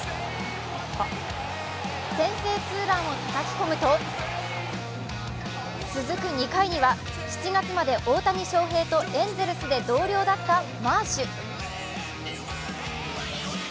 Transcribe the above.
先制ツーランをたたき込むと続く２回には、７月まで大谷翔平とエンゼルスで同僚だったマーシュ。